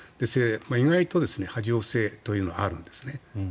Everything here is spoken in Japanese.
意外と波状性というのはあるんですね。